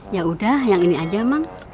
yaudah yang ini aja mang